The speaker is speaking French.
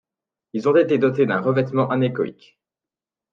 Ils ont été dotés d'un revêtement anéchoïque.